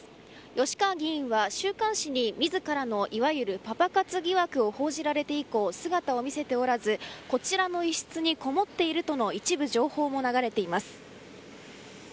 吉川議員は、週刊誌に自らのいわゆるパパ活疑惑を報じらて以降、姿を見せておらずこちらの一室にこもっているとの一部、情報も流れています。